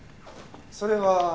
それは。